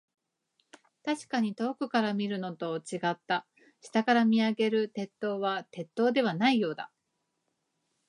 確かに遠くから見るのと、違った。下から見上げる鉄塔は、鉄塔ではないようだ。